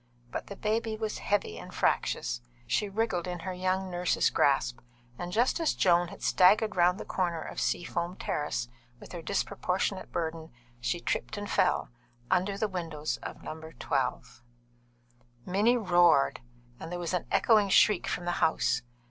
But the baby was heavy and fractious. She wriggled in her young nurse's grasp, and just as Joan had staggered round the corner of Seafoam Terrace, with her disproportionate burden, she tripped and fell, under the windows of No. 12. Minnie roared, and there was an echoing shriek from the house.